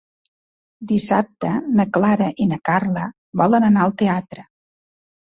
Dissabte na Clara i na Carla volen anar al teatre.